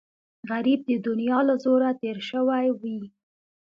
غریب د دنیا له زوره تېر شوی وي